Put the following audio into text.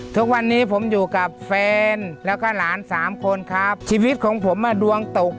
ทุกวันนี้ผมอยู่กับแฟนแล้วก็หลานสามคนครับชีวิตของผมอ่ะดวงตก